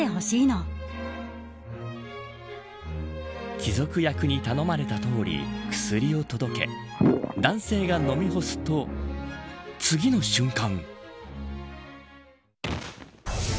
貴族役に頼まれたとおり薬を届け、男性が飲み干すと次の瞬間。